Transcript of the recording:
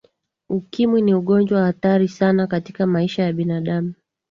ukimwi ni ugonjwa hatari sana katika maisha ya binadamu